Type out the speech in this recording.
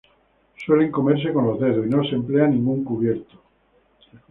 Suelen comerse con los dedos y no se emplea ningún cubierto.